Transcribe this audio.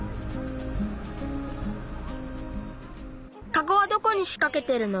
カゴはどこにしかけてるの？